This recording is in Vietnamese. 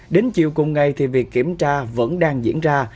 đến chiều cùng ngày thì việc kiểm tra vẫn đang diễn ra